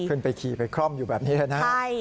ขึ้นไปขี่ไปคล่อมอยู่แบบนี้แหละนะ